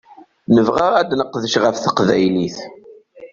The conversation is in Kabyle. Nebɣa ad neqdec ɣef teqbaylit.